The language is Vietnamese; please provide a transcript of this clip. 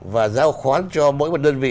và giao khoán cho mỗi một đơn vị